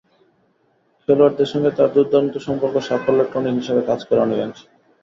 খেলোয়াড়দের সঙ্গে তাঁর দুর্দান্ত সম্পর্ক সাফল্যের টনিক হিসেবে কাজ করে অনেকাংশে।